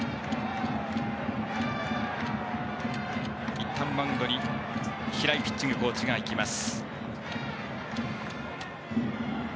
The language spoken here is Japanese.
いったんマウンドに平井ピッチングコーチが行きます。